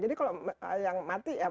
jadi kalau yang mati ya